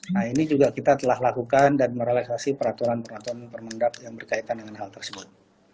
nah ini juga kita telah lakukan dan merealisasi peraturan peraturan permendak yang berkaitan dengan hal tersebut